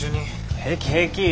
平気平気。